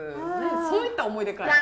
そういった思い出かい。